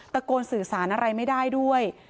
ตะโกนสื่อสารอะไรไม่ได้ด้วย